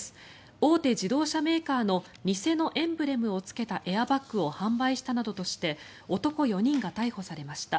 大手自動車メーカーの偽のエンブレムをつけたエアバッグを販売したなどとして男４人が逮捕されました。